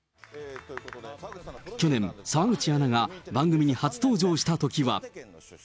去年、澤口アナが番組に初登場したときは。